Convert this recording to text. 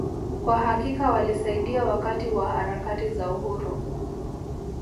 Kwa hakika walisaidia wakati wa harakati za Uhuru